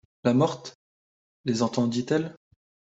La morte les entendit-elle ?